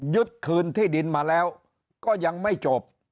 คืนที่ดินมาแล้วก็ยังไม่จบ